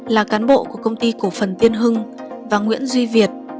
là cán bộ của công ty cổ phần tiên hưng và nguyễn duy việt